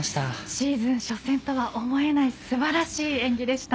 シーズン初戦とは思えない素晴らしい演技でした。